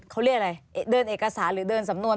เขาเรียกอะไรเดินเอกสารหรือเดินสำนวน